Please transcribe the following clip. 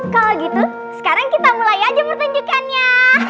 kalau gitu sekarang kita mulai aja pertunjukannya